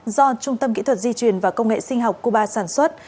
do trung tâm kỹ thuật di truyền và công nghệ sinh học cuba sản xuất